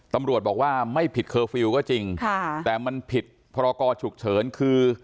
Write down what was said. ตำรวจบอกว่าไม่ผิดเคอร์ฟิลล์ก็จริงค่ะแต่มันผิดพรกรฉุกเฉินคือ